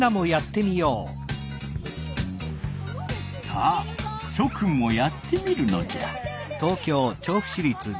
さあしょくんもやってみるのじゃ！